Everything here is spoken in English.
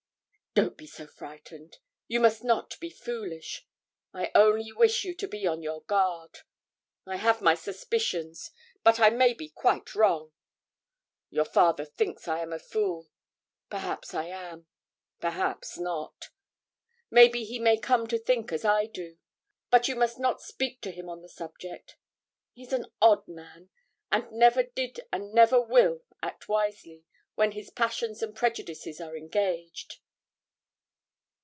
'Don't be so frightened; you must not be foolish; I only wish you to be upon your guard. I have my suspicions, but I may be quite wrong; your father thinks I am a fool; perhaps I am perhaps not; maybe he may come to think as I do. But you must not speak to him on the subject; he's an odd man, and never did and never will act wisely, when his passions and prejudices are engaged.'